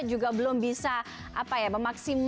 juga belum bisa apa ya memaksimal kisi kisi